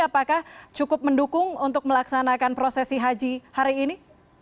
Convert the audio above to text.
apakah cukup mendukung untuk melaksanakan prosesi haji hari ini